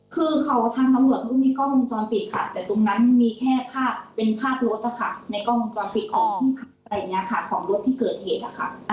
คือทางตำรวจมีกล้องวงจรปิดค่ะแต่ตรงนั้นมีแค่ภาพเป็นภาพรถค่ะ